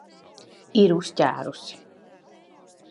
Ir uzķērusi!